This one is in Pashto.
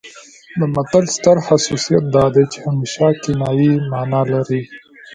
د متل ستر خصوصیت دا دی چې همیشه کنايي مانا لري